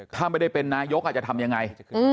ถ้าไม่ได้เป็นนายกจะทำยังไง